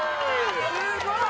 すごい！